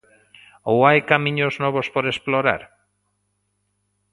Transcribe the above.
Ou hai camiños novos por explorar?